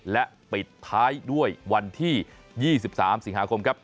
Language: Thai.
และปิดท้ายด้วยวันที่๒๓สิงหาคมครับ